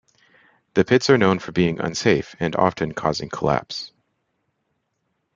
The pits are known for being unsafe, and often causing collapse.